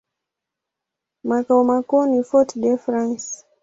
Makao makuu ni Fort-de-France.